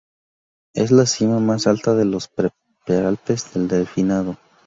Es la cima más alta de los Prealpes del Delfinado.